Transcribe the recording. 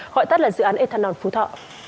gọi tắt là dự án ethanol phú thọ